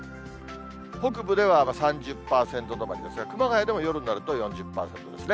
北部では３０％止まりですが、熊谷でも夜になると４０％ですね。